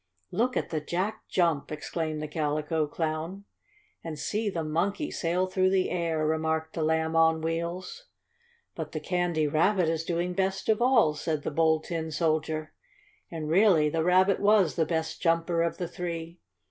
"Look at the Jack jump!" exclaimed the Calico Clown. "And see the Monkey sail through air," remarked the Lamb on Wheels. "But the Candy Rabbit is doing best of all," said the Bold Tin Soldier. And really the Rabbit was the best jumper of the three.